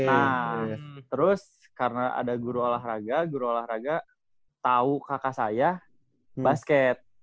nah terus karena ada guru olahraga guru olahraga tahu kakak saya basket